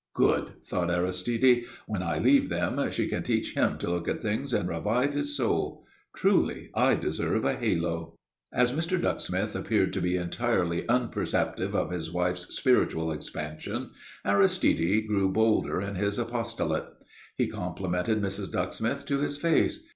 "Good!" thought Aristide. "When I leave them she can teach him to look at things and revive his soul. Truly I deserve a halo." As Mr. Ducksmith appeared to be entirely unperceptive of his wife's spiritual expansion, Aristide grew bolder in his apostolate. He complimented Mrs. Ducksmith to his face.